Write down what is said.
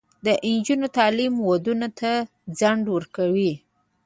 د نجونو تعلیم ودونو ته ځنډ ورکوي.